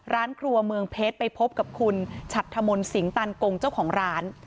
ร้านครัวเมืองเพชรไปพบกับคุณฉัดธมนต์สิงตันกงเจ้าของร้าน